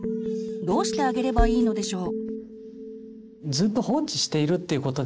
どうしてあげればいいのでしょう？